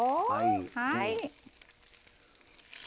はい。